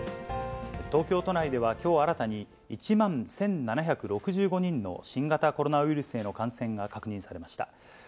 東京都内ではきょう、新たに１万１７６５人の新型コロナウイルスへの感染が確認されました。